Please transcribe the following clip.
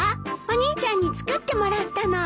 お兄ちゃんに作ってもらったの。